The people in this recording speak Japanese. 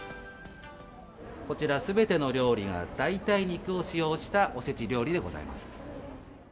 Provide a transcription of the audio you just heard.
こちら、すべての料理が代替肉を使用したおせち料理でございます。